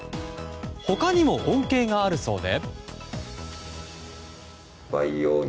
他にも恩恵があるそうで。